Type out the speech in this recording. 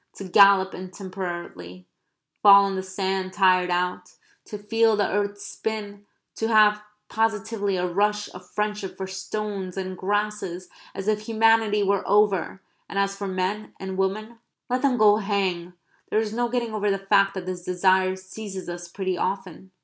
To gallop intemperately; fall on the sand tired out; to feel the earth spin; to have positively a rush of friendship for stones and grasses, as if humanity were over, and as for men and women, let them go hang there is no getting over the fact that this desire seizes us pretty often.